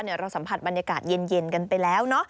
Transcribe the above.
เราสัมผัสบรรยากาศเย็นกันไปแล้วเนอะ